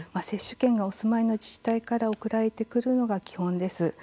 接種券が、お住まいの自治体から送られてくるのが基本です。